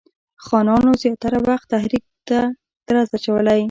خانانو زیاتره وخت تحریک کې درز اچولی.